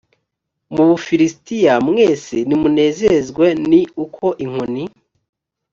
mu bufilisitiya mwese ntimunezezwe ni uko inkoni